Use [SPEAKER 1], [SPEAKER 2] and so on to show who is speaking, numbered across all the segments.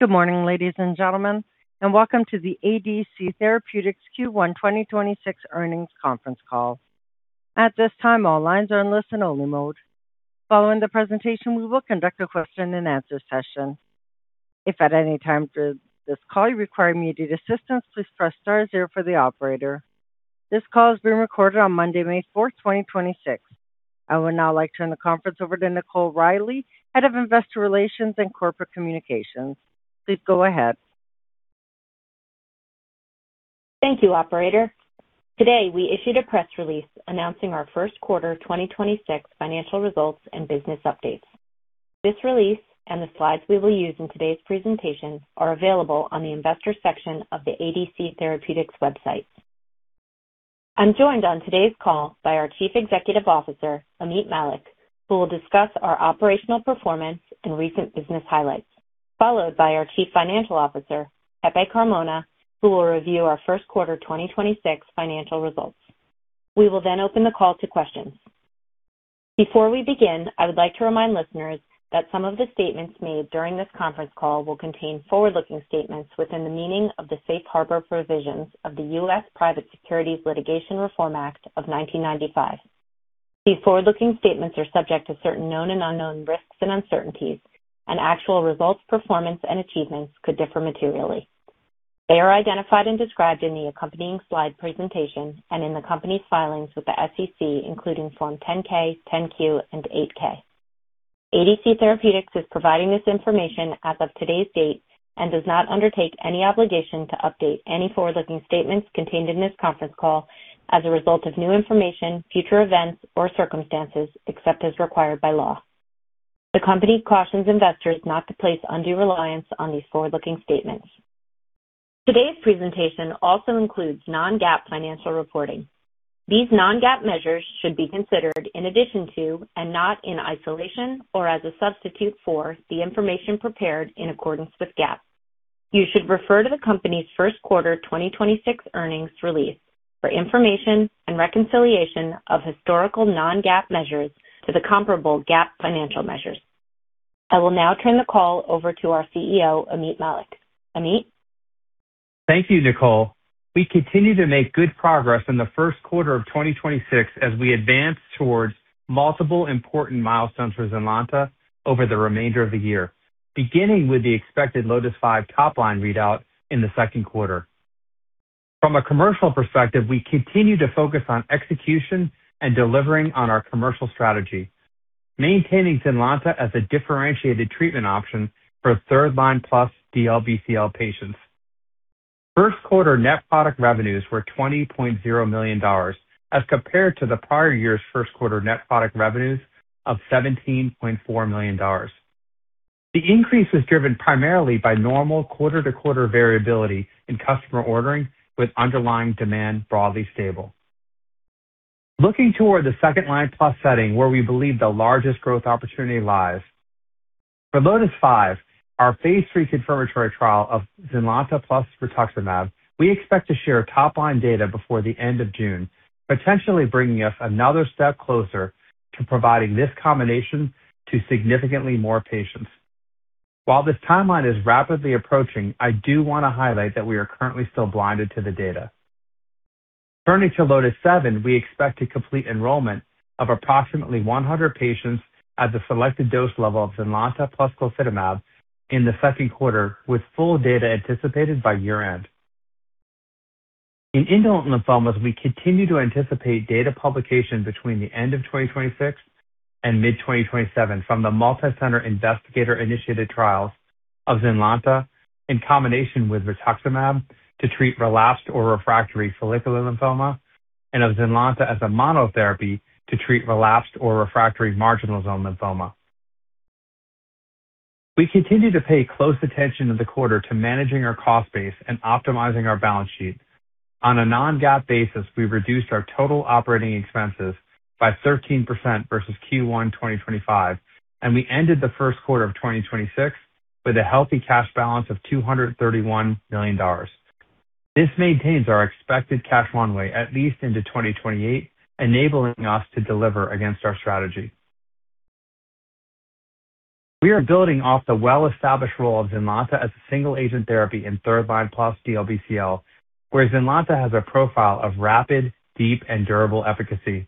[SPEAKER 1] Good morning, ladies and gentlemen, and welcome to the ADC Therapeutics Q1 2026 earnings conference call. At this time, all lines are in listen-only mode. Following the presentation, we will conduct a question-and-answer session. If at any time during this call you require immediate assistance, please press star zero for the operator. This call is being recorded on Monday, May 4, 2026. I would now like to turn the conference over to Nicole Riley, Head of Investor Relations and Corporate Communications. Please go ahead.
[SPEAKER 2] Thank you, operator. Today, we issued a press release announcing our first quarter 2026 financial results and business updates. This release and the slides we will use in today's presentation are available on the Investors section of the ADC Therapeutics website. I'm joined on today's call by our Chief Executive Officer, Ameet Mallik, who will discuss our operational performance and recent business highlights, followed by our Chief Financial Officer, Pepe Carmona, who will review our first quarter 2026 financial results. We will then open the call to questions. Before we begin, I would like to remind listeners that some of the statements made during this conference call will contain forward-looking statements within the meaning of the Safe Harbor provisions of the U.S. Private Securities Litigation Reform Act of 1995. These forward-looking statements are subject to certain known and unknown risks and uncertainties, and actual results, performance, and achievements could differ materially. They are identified and described in the accompanying slide presentation and in the company's filings with the SEC, including Form 10-K, 10-Q and 8-K. ADC Therapeutics is providing this information as of today's date and does not undertake any obligation to update any forward-looking statements contained in this conference call as a result of new information, future events or circumstances, except as required by law. The company cautions investors not to place undue reliance on these forward-looking statements. Today's presentation also includes non-GAAP financial reporting. These non-GAAP measures should be considered in addition to, and not in isolation or as a substitute for the information prepared in accordance with GAAP. You should refer to the company's first quarter 2026 earnings release for information and reconciliation of historical non-GAAP measures to the comparable GAAP financial measures. I will now turn the call over to our CEO, Ameet Mallik. Ameet.
[SPEAKER 3] Thank you, Nicole. We continue to make good progress in the first quarter of 2026 as we advance towards multiple important milestones for ZYNLONTA over the remainder of the year, beginning with the expected LOTIS-5 top-line readout in the second quarter. From a commercial perspective, we continue to focus on execution and delivering on our commercial strategy, maintaining ZYNLONTA as a differentiated treatment option for third-line plus DLBCL patients. First quarter net product revenues were $20.0 million as compared to the prior year's first quarter net product revenues of $17.4 million. The increase was driven primarily by normal quarter-to-quarter variability in customer ordering with underlying demand broadly stable. Looking toward the second-line plus setting where we believe the largest growth opportunity lies, for LOTIS-5, our phase III confirmatory trial of ZYNLONTA plus rituximab, we expect to share top-line data before the end of June, potentially bringing us another step closer to providing this combination to significantly more patients. While this timeline is rapidly approaching, I do wanna highlight that we are currently still blinded to the data. Turning to LOTIS-7, we expect to complete enrollment of approximately 100 patients at the selected dose level of ZYNLONTA plus ofatumumab in the second quarter, with full data anticipated by year-end. In indolent lymphomas, we continue to anticipate data publication between the end of 2026 and mid-2027 from the multicenter investigator-initiated trials of ZYNLONTA in combination with rituximab to treat relapsed or refractory follicular lymphoma and of ZYNLONTA as a monotherapy to treat relapsed or refractory marginal zone lymphoma. We continue to pay close attention in the quarter to managing our cost base and optimizing our balance sheet. On a non-GAAP basis, we reduced our total operating expenses by 13% versus Q1 2025, and we ended the first quarter of 2026 with a healthy cash balance of $231 million. This maintains our expected cash runway at least into 2028, enabling us to deliver against our strategy. We are building off the well-established role of ZYNLONTA as a single-agent therapy in third-line plus DLBCL, where ZYNLONTA has a profile of rapid, deep, and durable efficacy,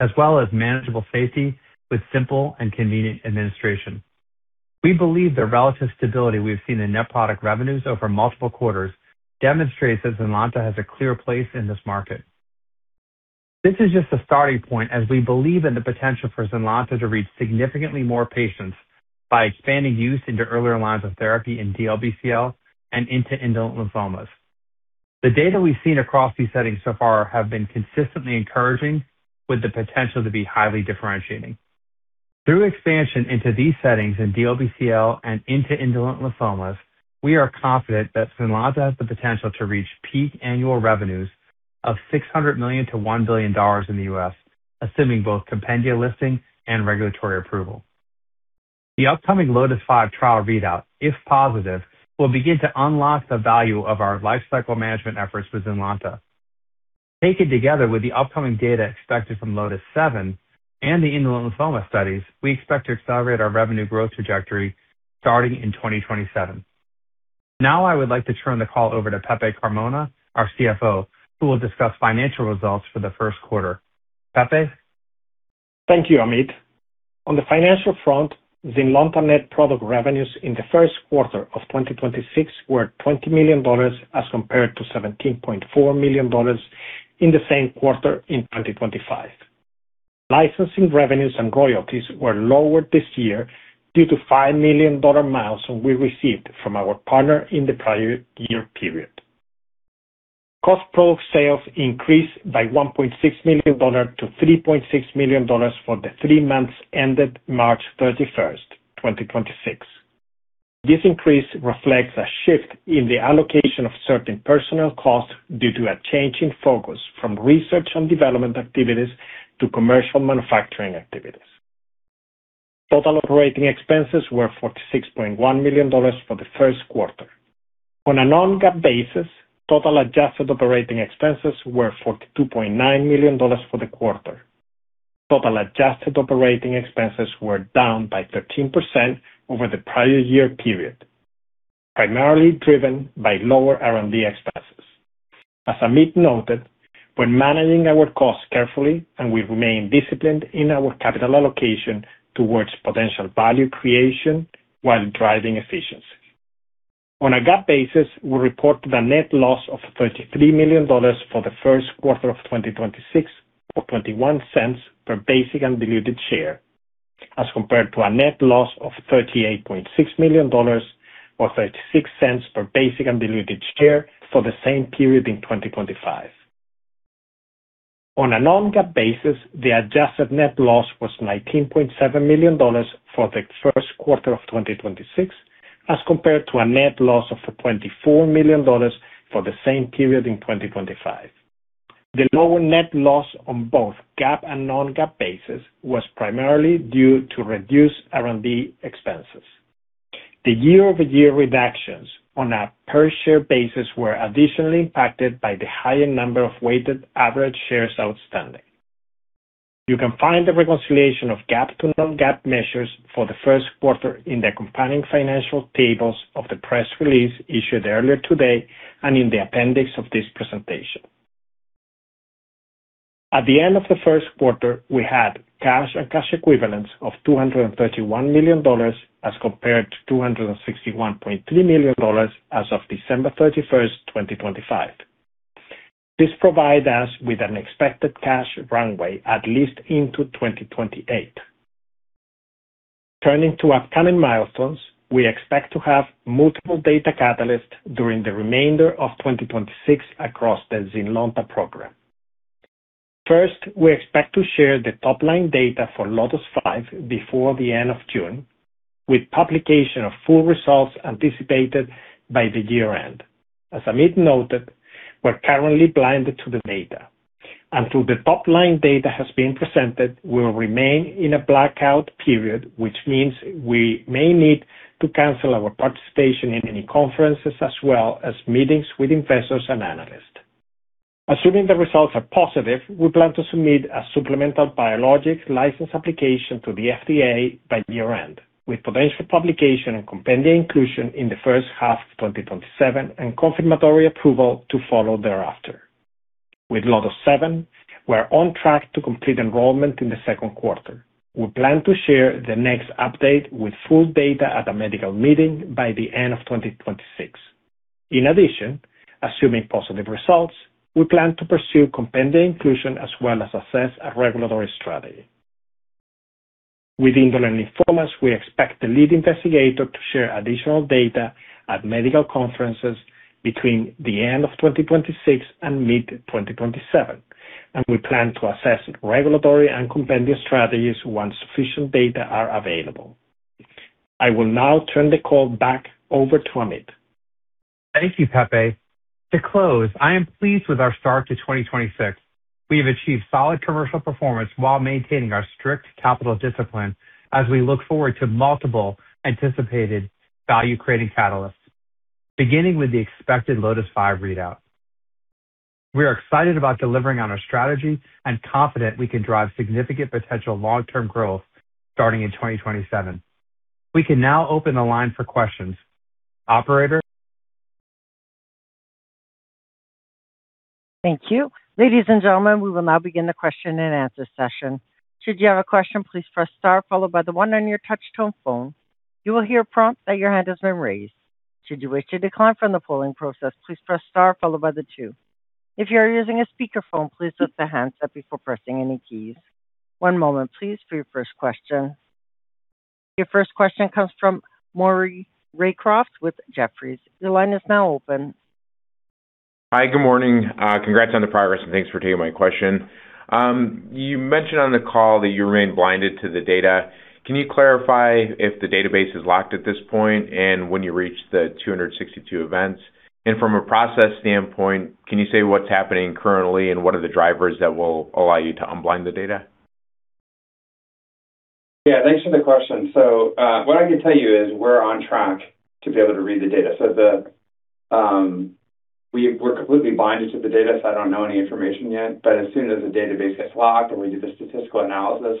[SPEAKER 3] as well as manageable safety with simple and convenient administration. We believe the relative stability we've seen in net product revenues over multiple quarters demonstrates that ZYNLONTA has a clear place in this market. This is just a starting point as we believe in the potential for ZYNLONTA to reach significantly more patients by expanding use into earlier lines of therapy in DLBCL and into indolent lymphomas. The data we've seen across these settings so far have been consistently encouraging, with the potential to be highly differentiating. Through expansion into these settings in DLBCL and into indolent lymphomas, we are confident that ZYNLONTA has the potential to reach peak annual revenues of $600 million-$1 billion in the U.S., assuming both compendia listing and regulatory approval. The upcoming LOTIS-5 trial readout, if positive, will begin to unlock the value of our lifecycle management efforts with ZYNLONTA. Taken together with the upcoming data expected from LOTIS-7 and the indolent lymphoma studies, we expect to accelerate our revenue growth trajectory starting in 2027. I would like to turn the call over to Pepe Carmona, our CFO, who will discuss financial results for the first quarter. Pepe.
[SPEAKER 4] Thank you, Ameet. On the financial front, ZYNLONTA net product revenues in the first quarter of 2026 were $20 million as compared to $17.4 million in the same quarter in 2025. Licensing revenues and royalties were lower this year due to a $5 million milestone we received from our partner in the prior year period. Cost product sales increased by $1.6 million to $3.6 million for the three months ended March 31st, 2026. This increase reflects a shift in the allocation of certain personnel costs due to a change in focus from research and development activities to commercial manufacturing activities. Total operating expenses were $46.1 million for the first quarter. On a non-GAAP basis, total adjusted operating expenses were $42.9 million for the quarter. Total adjusted operating expenses were down by 13% over the prior year period, primarily driven by lower R&D expenses. As Ameet noted, we're managing our costs carefully, and we remain disciplined in our capital allocation towards potential value creation while driving efficiencies. On a GAAP basis, we reported a net loss of $33 million for the first quarter of 2026, or $0.21 per basic and diluted share, as compared to a net loss of $38.6 million or $0.36 per basic and diluted share for the same period in 2025. On a non-GAAP basis, the adjusted net loss was $19.7 million for the first quarter of 2026, as compared to a net loss of $24 million for the same period in 2025. The lower net loss on both GAAP and non-GAAP basis was primarily due to reduced R&D expenses. The year-over-year reductions on a per-share basis were additionally impacted by the higher number of weighted average shares outstanding. You can find the reconciliation of GAAP to non-GAAP measures for the first quarter in the accompanying financial tables of the press release issued earlier today and in the appendix of this presentation. At the end of the first quarter, we had cash and cash equivalents of $231 million, as compared to $261.3 million as of December 31st, 2025. This provide us with an expected cash runway at least into 2028. Turning to upcoming milestones, we expect to have multiple data catalysts during the remainder of 2026 across the ZYNLONTA program. First, we expect to share the top-line data for LOTIS-5 before the end of June, with publication of full results anticipated by the year-end. As Ameet noted, we're currently blinded to the data. Until the top-line data has been presented, we will remain in a blackout period, which means we may need to cancel our participation in any conferences as well as meetings with investors and analysts. Assuming the results are positive, we plan to submit a supplemental Biologics License Application to the FDA by year-end, with potential publication and Compendia inclusion in the first half of 2027 and confirmatory approval to follow thereafter. With LOTIS-7, we're on track to complete enrollment in the second quarter. We plan to share the next update with full data at a medical meeting by the end of 2026. In addition, assuming positive results, we plan to pursue compendia inclusion as well as assess a regulatory strategy. With indolent lymphomas, we expect the lead investigator to share additional data at medical conferences between the end of 2026 and mid-2027, and we plan to assess regulatory and compendia strategies once sufficient data are available. I will now turn the call back over to Ameet.
[SPEAKER 3] Thank you, Pepe. To close, I am pleased with our start to 2026. We have achieved solid commercial performance while maintaining our strict capital discipline as we look forward to multiple anticipated value-creating catalysts, beginning with the expected LOTIS-5 readout. We are excited about delivering on our strategy and confident we can drive significant potential long-term growth starting in 2027. We can now open the line for questions. Operator?
[SPEAKER 1] Thank you. Ladies and gentlemen, we will now begin the question-and-answer session. Should you have a question, please press star followed by the one on your touch tone phone. You will hear a prompt that your hand has been raised. Should you wish to decline from the polling process, please press star followed by the two. If you are using a speakerphone, please lift the handset before pressing any keys. One moment please for your first question. Your first question comes from Maury Raycroft with Jefferies. Your line is now open.
[SPEAKER 5] Hi. Good morning. Congrats on the progress and thanks for taking my question. You mentioned on the call that you remain blinded to the data. Can you clarify if the database is locked at this point and when you reach the 262 events? From a process standpoint, can you say what's happening currently and what are the drivers that will allow you to unblind the data?
[SPEAKER 3] Yeah, thanks for the question. What I can tell you is we're on track to be able to read the data. We're completely blinded to the data, so I don't know any information yet. As soon as the database gets locked and we do the statistical analysis,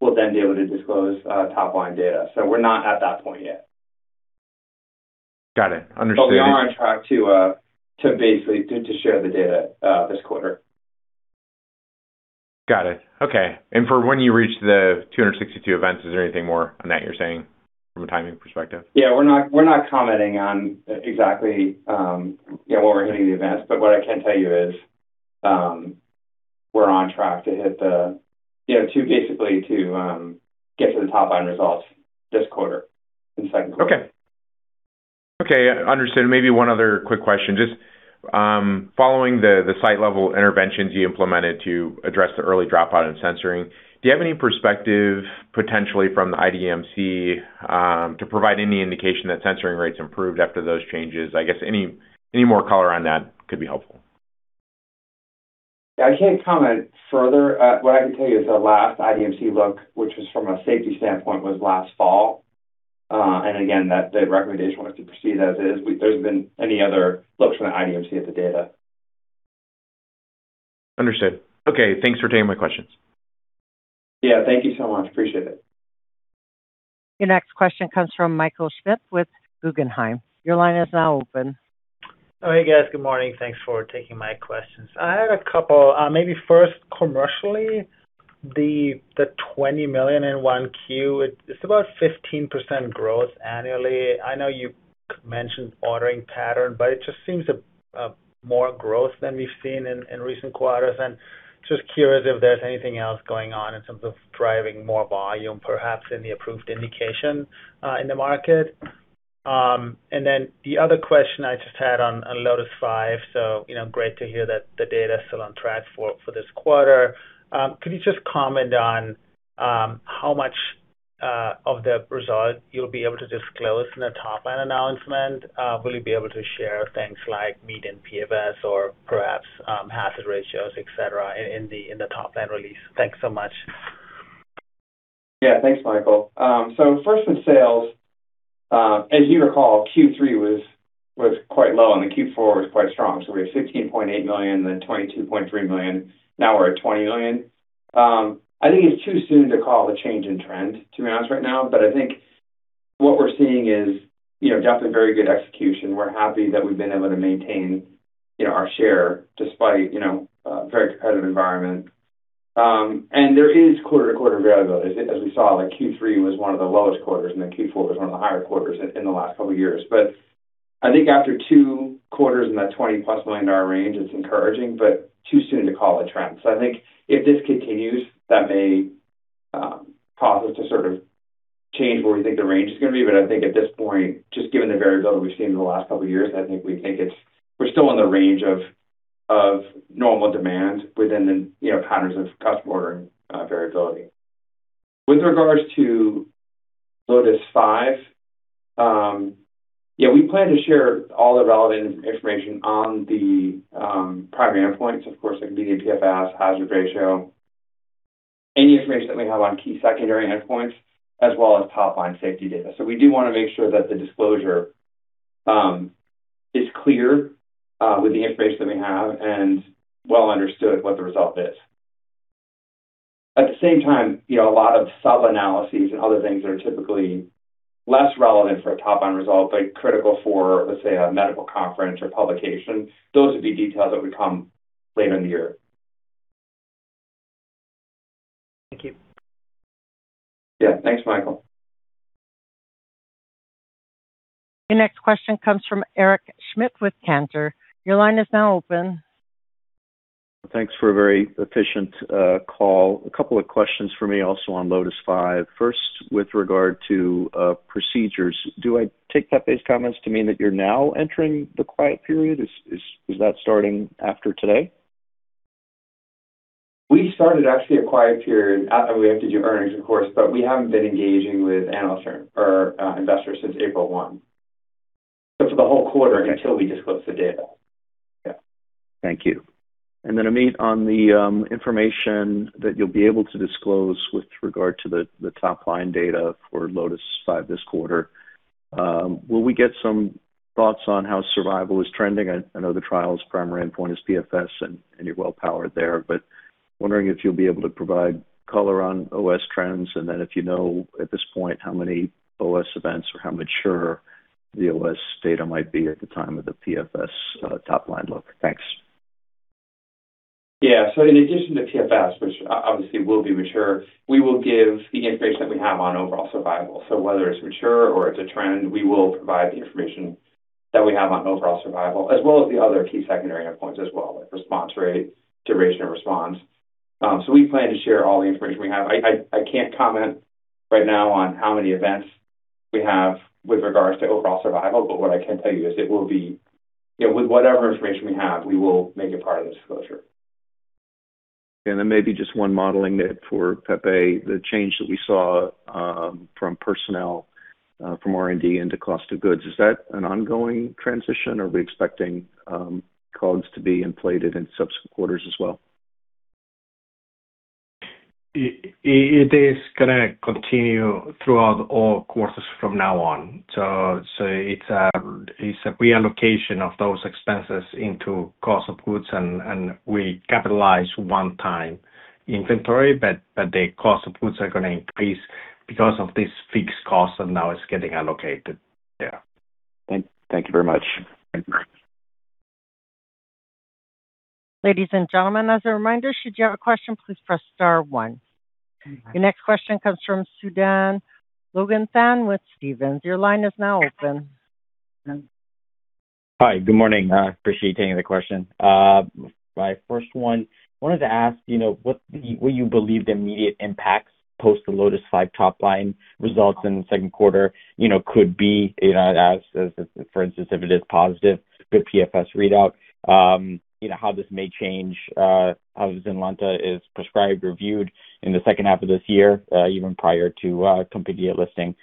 [SPEAKER 3] we'll then be able to disclose top-line data. We're not at that point yet.
[SPEAKER 5] Got it. Understood.
[SPEAKER 3] We are on track to basically share the data this quarter.
[SPEAKER 5] Got it. Okay. For when you reach the 262 events, is there anything more on that you're saying from a timing perspective?
[SPEAKER 3] Yeah. We're not commenting on exactly, you know, when we're hitting the events. What I can tell you is, we're on track to, you know, to basically to get to the top-line results this quarter, in the second quarter.
[SPEAKER 5] Okay. Okay, understood. Maybe one other quick question. Following the site-level interventions you implemented to address the early dropout and censoring, do you have any perspective potentially from the IDMC to provide any indication that censoring rates improved after those changes? I guess any more color on that could be helpful.
[SPEAKER 3] I can't comment further. What I can tell you is the last IDMC look, which was from a safety standpoint, was last fall. Again, that the recommendation was to proceed as is. There's been any other looks from the IDMC at the data.
[SPEAKER 5] Understood. Okay. Thanks for taking my questions.
[SPEAKER 3] Yeah. Thank you so much. Appreciate it.
[SPEAKER 1] Your next question comes from Michael Schmidt with Guggenheim. Your line is now open.
[SPEAKER 6] Oh, hey, guys. Good morning. Thanks for taking my questions. I had a couple. Maybe first, commercially, the $20 million in 1Q, it's about 15% growth annually. I know you mentioned ordering pattern, but it just seems a more growth than we've seen in recent quarters. Just curious if there's anything else going on in terms of driving more volume, perhaps in the approved indication in the market. Then the other question I just had on LOTIS-5. You know, great to hear that the data is still on track for this quarter. Could you just comment on how much of the result you'll be able to disclose in a top-line announcement? Will you be able to share things like median PFS or perhaps, hazard ratios, et cetera, in the, in the top-line release? Thanks so much.
[SPEAKER 3] Yeah. Thanks, Michael. First in sales, as you recall, Q3 was quite low, and Q4 was quite strong. We have $16.8 million, then $22.3 million. Now we're at $20 million. I think it's too soon to call a change in trend, to be honest right now. I think what we're seeing is, you know, definitely very good execution. We're happy that we've been able to maintain, you know, our share despite, you know, a very competitive environment. There is quarter-to-quarter variability. As we saw, like Q3 was one of the lowest quarters, and then Q4 was one of the higher quarters in the last couple years. I think after two quarters in that $20 million+ range, it's encouraging, but too soon to call a trend. I think if this continues, that may cause us to sort of change where we think the range is going to be. I think at this point, just given the variability we've seen in the last couple of years, I think we're still in the range of normal demand within the, you know, patterns of customer ordering, variability. With regards to LOTIS-5, yeah, we plan to share all the relevant information on the primary endpoints, of course, like median PFS, hazard ratio, any information that we have on key secondary endpoints, as well as top-line safety data. We do want to make sure that the disclosure is clear with the information that we have and well understood what the result is. At the same time, you know, a lot of sub-analyses and other things that are typically less relevant for a top-line result, but critical for, let's say, a medical conference or publication, those would be details that would come later in the year.
[SPEAKER 6] Thank you.
[SPEAKER 3] Yeah. Thanks, Michael.
[SPEAKER 1] Your next question comes from Eric Schmidt with Cantor. Your line is now open.
[SPEAKER 7] Thanks for a very efficient call. A couple of questions for me also on LOTIS-5. First, with regard to, procedures, do I take Pepe's comments to mean that you're now entering the quiet period? Is that starting after today?
[SPEAKER 3] We started actually a quiet period. We have to do earnings, of course, but we haven't been engaging with analysts or investors since April 1. For the whole quarter until we disclose the data. Yeah.
[SPEAKER 7] Thank you. Ameet, on the information that you'll be able to disclose with regard to the top-line data for LOTIS-5 this quarter, will we get some thoughts on how survival is trending? I know the trial's primary endpoint is PFS and you're well-powered there. Wondering if you'll be able to provide color on OS trends, and then if you know at this point how many OS events or how mature the OS data might be at the time of the PFS top-line look. Thanks.
[SPEAKER 3] In addition to PFS, which obviously will be mature, we will give the information that we have on overall survival. Whether it's mature or it's a trend, we will provide the information that we have on overall survival as well as the other key secondary endpoints as well, like response rate, duration of response. We plan to share all the information we have. I can't comment right now on how many events we have with regards to overall survival, what I can tell you is, You know, with whatever information we have, we will make it part of the disclosure.
[SPEAKER 7] Maybe just one modeling note for Pepe. The change that we saw, from personnel from R&D into cost of goods. Is that an ongoing transition? Are we expecting costs to be inflated in subsequent quarters as well?
[SPEAKER 4] It is gonna continue throughout all quarters from now on. It's a reallocation of those expenses into cost of goods and we capitalize one time inventory, but the cost of goods are gonna increase because of this fixed cost and now it's getting allocated. Yeah.
[SPEAKER 7] Thank you very much.
[SPEAKER 1] Ladies and gentlemen, as a reminder, should you have a question, please press star one. Your next question comes from Sudan Loganathan with Stephens. Your line is now open.
[SPEAKER 8] Hi. Good morning. Appreciate taking the question. My first one, wanted to ask, you know, will you believe the immediate impacts post the LOTIS-5 top line results in the second quarter, you know, could be, you know, as for instance, if it is positive, good PFS readout, you know, how this may change, how ZYNLONTA is prescribed or viewed in the second half of this year, even prior to compendia listing?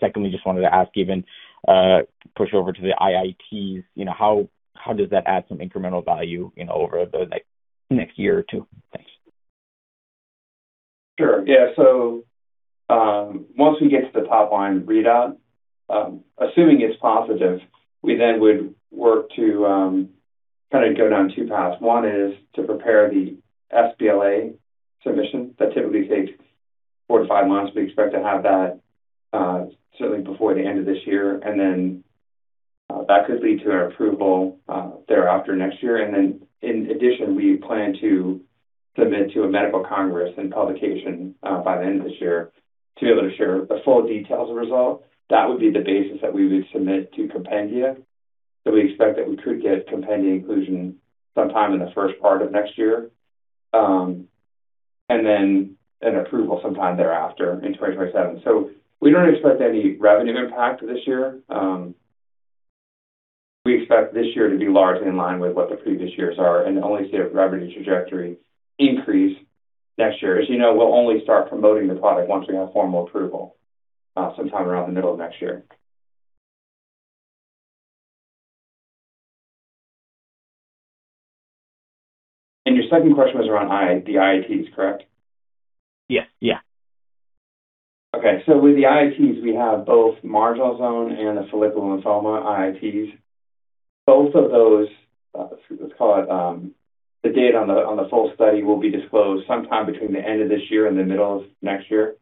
[SPEAKER 8] Secondly, just wanted to ask even, push over to the IITs, you know, how does that add some incremental value, you know, over the, like, next year or two? Thanks.
[SPEAKER 3] Sure. Yeah. Once we get to the top line readout, assuming it's positive, we then would work to go down two paths. One is to prepare the sBLA submission. That typically takes four to five months. We expect to have that certainly before the end of this year. That could lead to an approval thereafter next year. In addition, we plan to submit to a medical congress and publication by the end of this year to be able to share the full details of result. That would be the basis that we would submit to compendia, we expect that we could get compendia inclusion sometime in the first part of next year, an approval sometime thereafter in 2027. We don't expect any revenue impact this year. We expect this year to be largely in line with what the previous years are and only see a revenue trajectory increase next year. As you know, we'll only start promoting the product once we have formal approval sometime around the middle of next year. Your second question was around the IITs, correct?
[SPEAKER 8] Yeah, yeah.
[SPEAKER 3] Okay. With the IITs, we have both marginal zone and the follicular lymphoma IITs. Both of those, the data on the full study will be disclosed sometime between the end of this year and the middle of next year.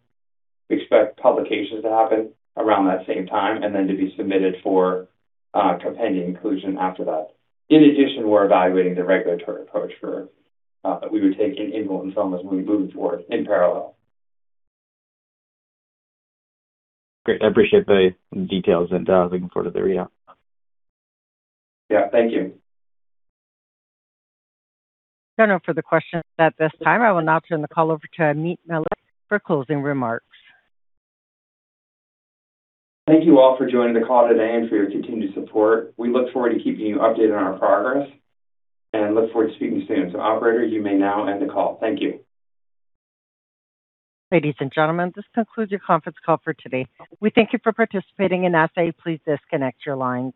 [SPEAKER 3] We expect publications to happen around that same time and then to be submitted for compendia inclusion after that. In addition, we're evaluating the regulatory approach for that we would take in indolent lymphomas when we move forward in parallel.
[SPEAKER 8] Great. I appreciate the details and looking forward to the readout.
[SPEAKER 3] Yeah. Thank you.
[SPEAKER 1] No further questions at this time. I will now turn the call over to Ameet Mallik for closing remarks.
[SPEAKER 3] Thank you all for joining the call today and for your continued support. We look forward to keeping you updated on our progress and look forward to speaking soon. Operator, you may now end the call. Thank you.
[SPEAKER 1] Ladies and gentlemen, this concludes your conference call for today. We thank you for participating. In that say, please disconnect your lines.